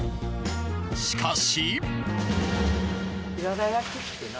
［しかし］